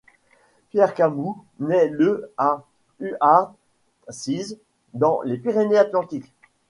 Pierre Camou naît le à Uhart-Cize, dans les Pyrénées-Atlantiques.